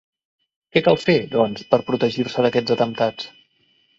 Què cal fer, doncs, per protegir-se d’aquests atemptats?